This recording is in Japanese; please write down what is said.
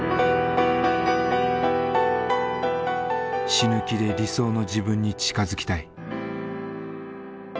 死ぬ気で理想の自分に近づきたい。